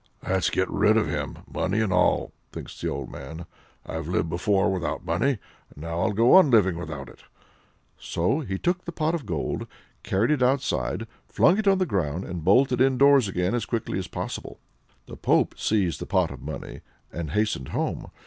"Let's get rid of him, money and all," thinks the old man; "I've lived before now without money, and now I'll go on living without it." So he took the pot of gold, carried it outside, flung it on the ground, and bolted indoors again as quickly as possible. The pope seized the pot of money, and hastened home.